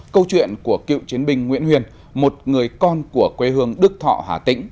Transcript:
câu chuyện của cựu chiến binh nguyễn huyền một người con của quê hương đức thọ hà tĩnh